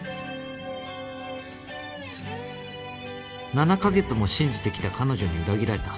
「７ヶ月も信じてきた彼女に裏切られた。